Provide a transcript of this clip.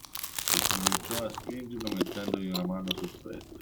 E cominciò a spingerlo mettendogli una mano sul petto.